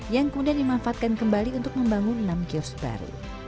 yang kemudian dimanfaatkan kembali untuk membangun enam kios baru